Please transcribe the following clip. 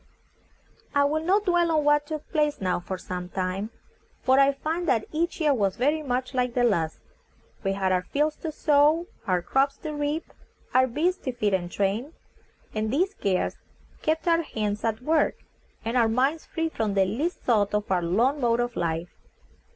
I will not dwell on what took place now for some time, for I find that each year was very much like the last. We had our fields to sow, our crops to reap, our beasts to feed and train; and these cares kept our hands at work, and our minds free from the least thought of our lone mode of life.